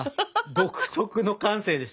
独特の感性でしたね。